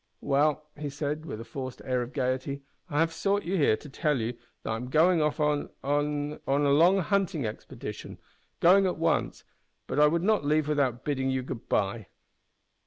"Well," he said, with a forced air of gaiety, "I have sought you here to tell you that I am going off on on a long hunting expedition. Going at once but I would not leave without bidding you good bye."